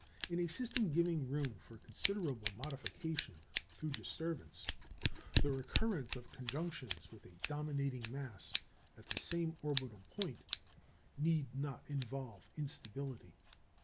In a system giving room for considerable modification through disturbance, the recurrence of conjunctions with a dominating mass at the same orbital point need not involve instability.